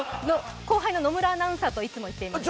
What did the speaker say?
後輩の野村アナウンサーといつも行ってます。